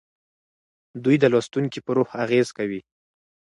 دوی د لوستونکي په روح اغیز کوي.